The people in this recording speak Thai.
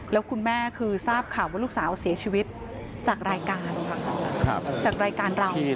แล้วคุณแม่คือทราบข่าวว่าลูกสาวเสียชีวิตจากรายการจากรายการเรา